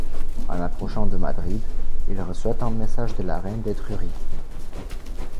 En approchant de Madrid, il reçoit un message de la reine d'Étrurie.